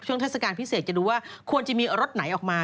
เทศกาลพิเศษจะดูว่าควรจะมีรถไหนออกมา